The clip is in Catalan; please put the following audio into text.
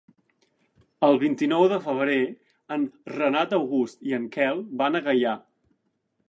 El vint-i-nou de febrer en Renat August i en Quel van a Gaià.